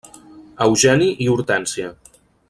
Eugeni i Hortènsia.